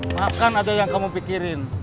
makan ada yang kamu pikirin